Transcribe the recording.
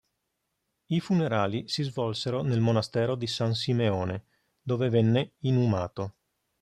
I funerali si svolsero nel monastero di San Simeone, dove venne inumato.